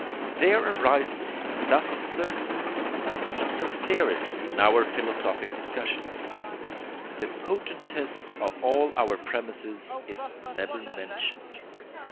There arises thus a certain insincerity in our philosophic discussions: the potentest of all our premises is never mentioned.